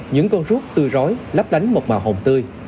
những con rút tư rối lắp đánh một màu hồng tươi